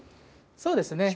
そうですね